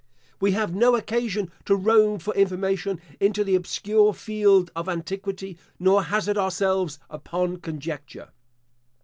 We have no occasion to roam for information into the obscure field of antiquity, nor hazard ourselves upon conjecture.